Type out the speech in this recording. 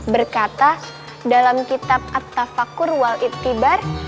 berkata dalam kitab at tafakkur wal ittibar